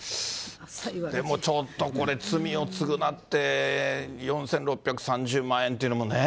でもちょっとこれ、罪を償って、４６３０万円っていうのもね。